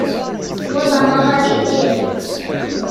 Wa d amaḍal imgerrez.